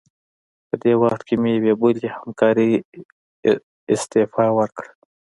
په دې وخت کې مې یوې بلې همکارې استعفا ورکړه.